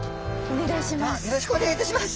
お願いします！